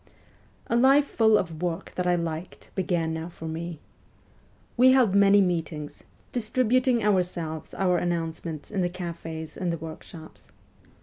A life full of work that I liked began now for me. "We held many meetings, distributing ourselves our announcements in the cafes and the workshops.